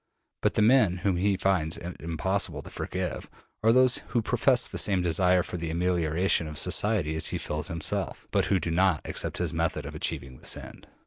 But the men whom he finds it impossible to forgive are those who profess the same desire for the amelioration of society as he feels himself, but who do not accept his method of achieving this end.